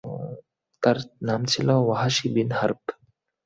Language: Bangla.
তার নাম ছিল ওয়াহাশী বিন হারব।